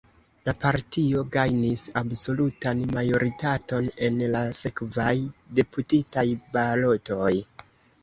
La partio gajnis absolutan majoritaton en la sekvaj deputitaj balotoj.